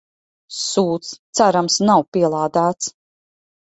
Sūds, cerams nav pielādēts.